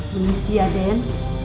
belisih ya den